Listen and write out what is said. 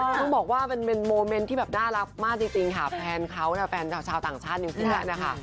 ต้องบอกว่าเป็นเป็นโมเมนท์ที่แบบน่ารักมากจริงจริงค่ะแฟนเขานะแฟนชาวต่างชาติอยู่สิแหละนะคะ